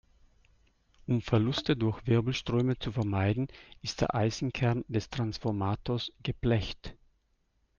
Um Verluste durch Wirbelströme zu vermeiden, ist der Eisenkern des Transformators geblecht.